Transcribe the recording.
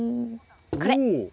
これ。